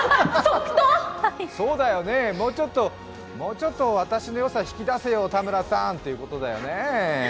そうだよね、もうちょっと私の良さを引き出せよ、田村さんってことだよね。